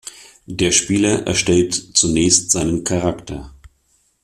Der Spieler erstellt zunächst seinen Charakter.